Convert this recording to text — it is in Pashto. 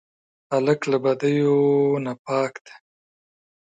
هلک له بدیو نه پاک دی.